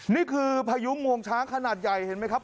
นี่คือพายุงวงช้างขนาดใหญ่เห็นไหมครับ